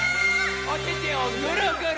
おててをぐるぐる！